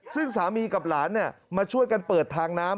ซึ่งสามีกับหลานมาช่วยกันเปิดทางน้ำ